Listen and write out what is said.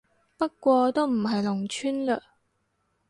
不過都唔係農村嘞